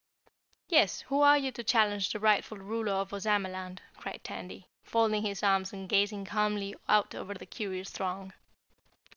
"Yes, who are you to challenge the rightful ruler of Ozamaland?" cried Tandy, folding his arms and gazing calmly out over the curious throng.